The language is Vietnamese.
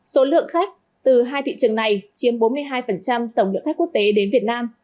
số lượng khách từ hai thị trường này chiếm bốn mươi hai tổng lượng khách quốc tế đến việt nam